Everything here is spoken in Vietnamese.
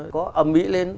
có ẩm mỹ lên